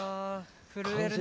震えるね。